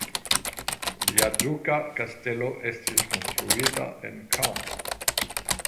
Lia duka kastelo estis konstruita en Caen.